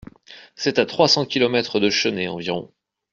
C’est à trois cents kilomètres de Chennai environ.